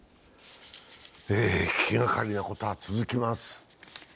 気がかりなことは続きます。